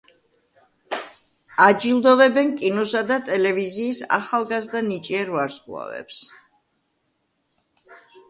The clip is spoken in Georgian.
აჯილდოვებენ კინოსა და ტელევიზიის ახალგაზრდა ნიჭიერ ვარსკვლავებს.